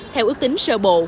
theo ước tính sơ bộ